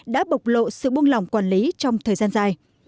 đã bộc lộ sự buông lỏng quản lý trong thời gian dài